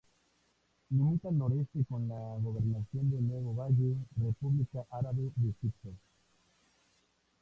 Limita al noreste con la Gobernación de Nuevo Valle, República Árabe de Egipto.